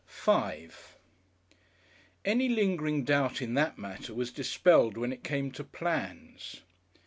§5 Any lingering doubt in that matter was dispelled when it came to plans.